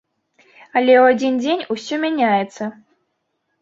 Але ў адзін дзень усё мяняецца.